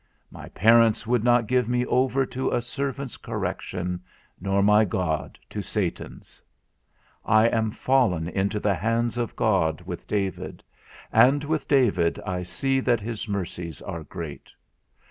My parents would not give me over to a servant's correction, nor my God to Satan's. I am fallen into the hands of God with David, and with David I see that his mercies are great.